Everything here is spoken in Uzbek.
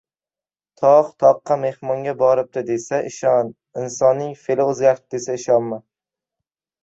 • Tog‘ toqqa mehmonga boribdi desa ― ishon, insonning fe’li o‘zgaribdi desa ― ishonma.